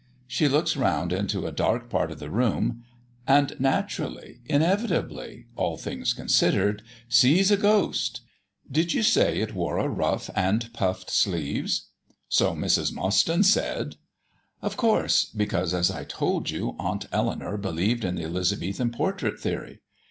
She looks round into a dark part of the room, and naturally, inevitably all things considered sees a ghost. Did you say it wore a ruff and puffed sleeves?" "So Mrs. Mostyn said." "Of course, because, as I told you, Aunt Eleanour believed in the Elizabethan portrait theory.